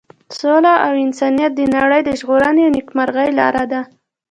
سوله او انسانیت د نړۍ د ژغورنې او نیکمرغۍ لاره ده.